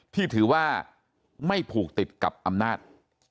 ที่ถือว่าไม่ผูกติดกับอำนาจ